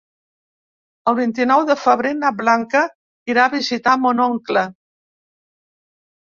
El vint-i-nou de febrer na Blanca irà a visitar mon oncle.